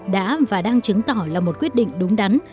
đã và đang chứng tỏ là một quyết định đúng đắn